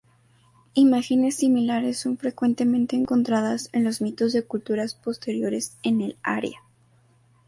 Imágenes similares son frecuentemente encontradas en los mitos de culturas posteriores en el área.